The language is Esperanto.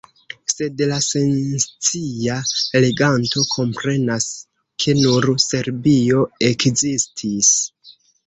Sed la senscia leganto komprenas, ke nur Serbio ekzistis.